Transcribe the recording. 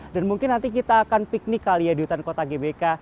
dan mungkin nanti kita akan piknik kali ya di hutan kota gbk